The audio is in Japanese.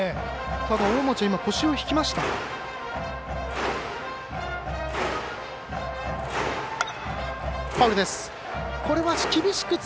ただ大町、腰を引きました。